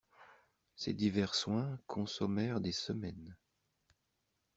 Ces divers soins consommèrent des semaines.